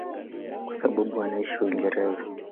Kwa sasa anaishi Uingereza.